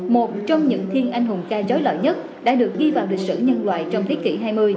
một trong những thiên anh hùng ca trói lợi nhất đã được ghi vào lịch sử nhân loại trong thế kỷ hai mươi